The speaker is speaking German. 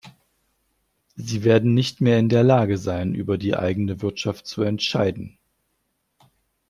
Sie werden nicht mehr in der Lage sein, über die eigene Wirtschaft zu entscheiden.